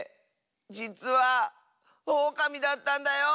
じつはオオカミだったんだよ！